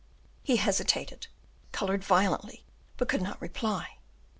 He hesitated, colored violently, but could not reply.